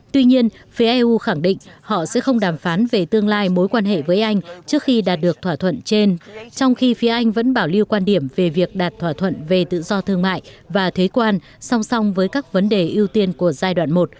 tuy nhiên phía eu khẳng định họ sẽ không đàm phán về tương lai mối quan hệ với anh trước khi đạt được thỏa thuận trên trong khi phía anh vẫn bảo lưu quan điểm về việc đạt thỏa thuận về tự do thương mại và thuế quan song song với các vấn đề ưu tiên của giai đoạn một